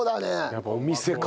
やっぱお店感。